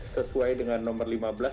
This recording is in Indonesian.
sesuai dengan nomor lima belas